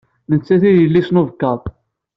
D nettat ay yelli-s n ubekkaḍ.